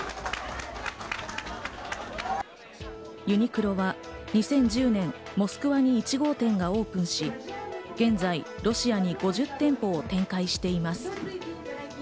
ユニクロは２０１０年、モスクワに１号店がオープンし、現在、ロシアに５０店舗を展開しています。